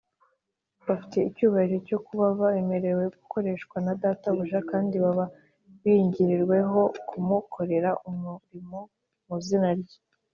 bafite icyubahiro cyo kuba bemerewe gukoreshwa na databuja kandi baba biringiweho kumukorera umurimo mu izina rye